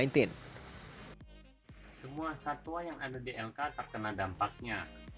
semua satwa yang ada di lk terkena dampaknya